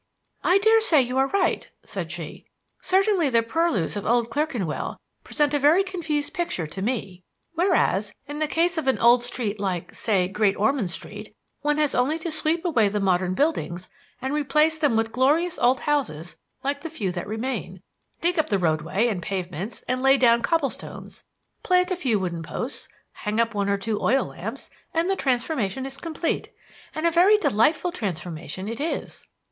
"I daresay you are right," said she. "Certainly, the purlieus of old Clerkenwell present a very confused picture to me; whereas, in the case of an old street like, say, Great Ormond Street, one has only to sweep away the modern buildings and replace them with glorious old houses like the few that remain, dig up the roadway and pavements and lay down cobble stones, plant a few wooden posts, hang up one or two oil lamps, and the transformation is complete. And a very delightful transformation it is."